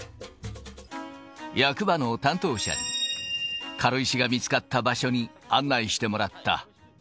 役場の担当者に軽石が見つかった場所に案内してもらった。